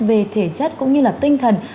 về thể chất cũng như là tinh thần